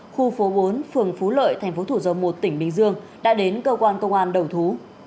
khu phố bốn phường phú lợi thành phố thủ dầu một tỉnh bình dương đã đến cơ quan công an đầu thú